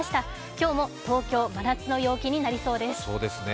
今日も東京、真夏の陽気になりそうです。